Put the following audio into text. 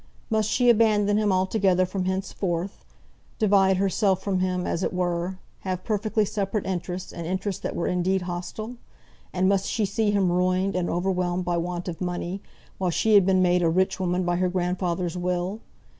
Must she abandon him altogether from henceforth; divide herself from him, as it were; have perfectly separate interests, and interests that were indeed hostile? and must she see him ruined and overwhelmed by want of money, while she had been made a rich woman by her grandfather's will?